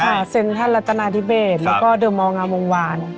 ค่ะเซ็นทรัฐนาธิเบสแล้วก็เดอร์มองอมวงวาล